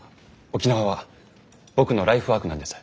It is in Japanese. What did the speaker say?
沖縄は僕のライフワークなんです。